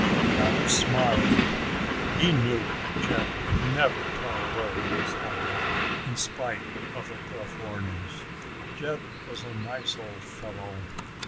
Johnny smiled. He knew Jeb would never tell where he was hiding, in spite of the gruff warnings. Jeb was a nice old fellow.